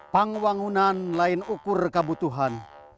pangwangunan lain ukur kabutuhan